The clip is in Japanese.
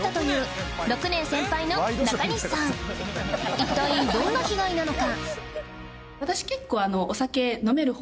一体どんな被害なのか？